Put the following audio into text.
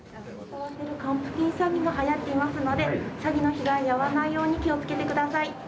還付金詐欺がはやっていますので詐欺の被害に遭わないように気をつけてください。